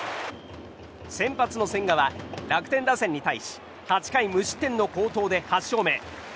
先発の千賀は楽天打線に対し８回無失点の好投で８勝目。